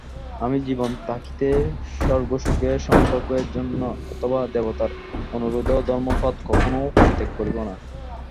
আমি জীবন থাকিতে স্বর্গসুখ-সম্ভোগের জন্য অথবা দেবতার অনুরোধেও ধর্মপথ কখনও পরিত্যাগ করিব না।